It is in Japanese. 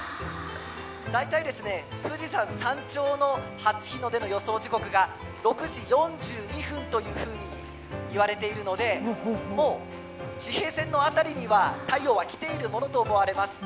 大体富士山山頂の初日の出の予定時刻が６時４５分と言われているのでもう地平線の辺りには太陽は来ているものと思われます。